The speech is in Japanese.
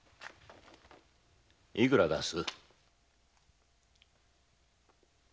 いくら出す？